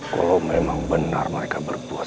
kalau memang benar mereka berbuat sepuluh